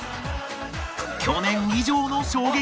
去年以上の衝撃